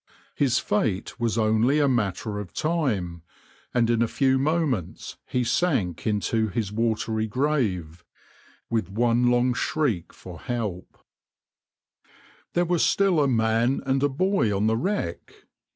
His fate was only a matter of time, and in a few moments he sank into his watery grave, with one long shriek for help.\par There were still a man and a boy on the wreck.